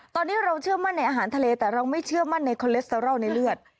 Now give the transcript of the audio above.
ตอนนี้เราเชื่อมั่นในอาหารทะเลแต่เราไม่เชื่อมั่นในคอเลสเตอรอลในเลือด